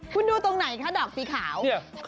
คุณดูตรงไหนคะดอกสีขาวเนี่ย